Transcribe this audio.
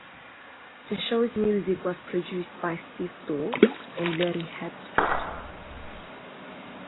The show's music was produced by Steve Dorff and Larry Herbstritt.